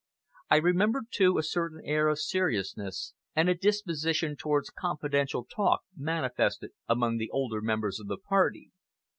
I remembered, too, a certain air of seriousness, and a disposition towards confidential talk, manifested among the older members of the party.